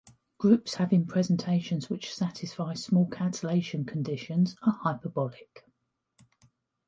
Groups having presentations which satisfy small cancellation conditions are hyperbolic.